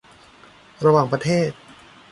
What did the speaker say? ระหว่างประเทศ